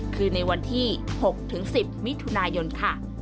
คือในวันที่๖๑๐มิถุนายนค่ะ